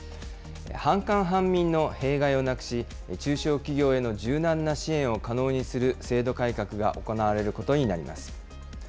半官半民の弊害をなくし、中小企業への柔軟な支援を可能にする制度改革が行われることになります。